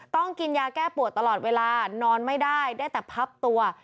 ต้องกินยาแก้ปวดตลอดเวลานอนไม่ได้ได้แต่พับตัว